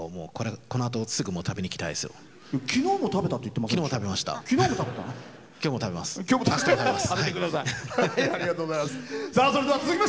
このあと、すぐ食べに行きたいです。